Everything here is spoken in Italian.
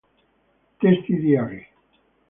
Testi di Age.